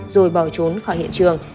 rồi bỏ trốn khỏi hiện trường